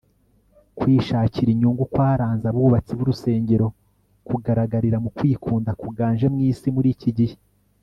kwishakira inyungu kwaranze abubatsi b'urusengero kugaragarira mu kwikunda kuganje mu isi muri iki gihe